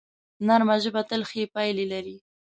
نرمه ژبه تل ښې پایلې لري